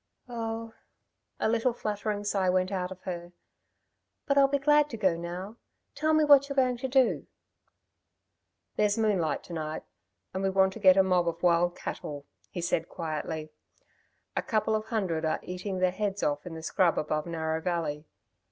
"Oh," a little fluttering sigh went out of her, "but I'll be glad to go now! Tell me what you're going to do?" "There's moonlight to night, and we want to get a mob of wild cattle," he said quietly. "A couple of hundred are eating their heads off in the scrub above Narrow Valley.